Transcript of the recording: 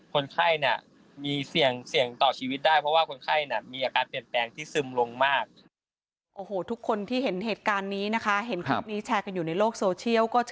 คนไข้เนี่ยมีเสี่ยงเสี่ยงต่อชีวิตได้เพราะว่าคนไข้เนี่ย